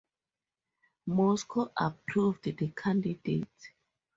Moscow approved the candidate.